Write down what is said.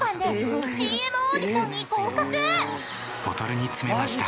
［ボトルに詰めました］